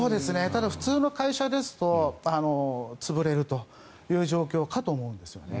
ただ、普通の会社ですと潰れるという状況かと思うんですよね。